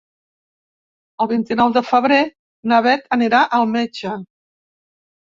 El vint-i-nou de febrer na Bet anirà al metge.